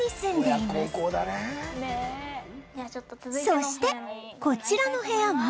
そしてこちらの部屋は？